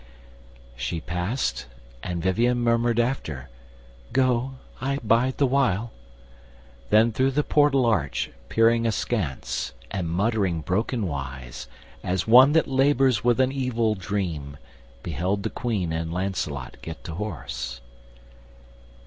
She past; and Vivien murmured after "Go! I bide the while." Then through the portal arch Peering askance, and muttering broken wise, As one that labours with an evil dream, Beheld the Queen and Lancelot get to horse.